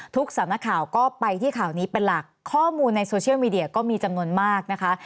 สำนักข่าวก็ไปที่ข่าวนี้เป็นหลักข้อมูลในโซเชียลมีเดียก็มีจำนวนมากนะคะ